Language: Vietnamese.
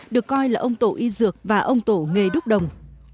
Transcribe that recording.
được coi là ông tổ y dược và ông tổ nghề đúc đồng